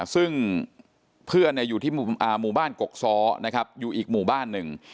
ซึ่งเพื่อนอยู่ที่หมู่บ้านกกซ้อนะครับอยู่อีกหมู่บ้านหนึ่ง